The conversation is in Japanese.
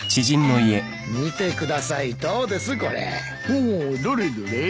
ほうどれどれ。